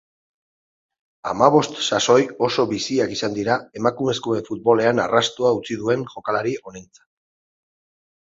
Hamabost sasoi oso biziak izan dira emakumezkoen futbolean arrastoa utzi duen jokalari honentzat.